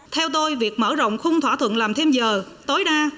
theo tôi việc mở rộng khung thỏa thuận làm thêm giờ tối đa